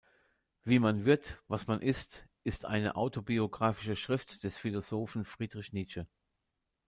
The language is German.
Wie man wird, was man ist ist eine autobiographische Schrift des Philosophen Friedrich Nietzsche.